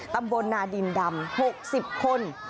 ตำบลนาดินดำ๖๐คน